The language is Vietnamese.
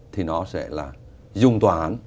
thì nó sẽ là dùng tòa án